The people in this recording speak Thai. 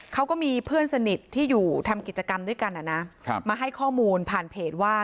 เขาก็มีเพื่อนสนิทที่อยู่ทำกิจกรรมด้วยกันมาให้ข้อมูลผ่านเพจว่า